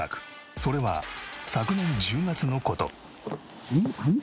それは昨年１０月の事。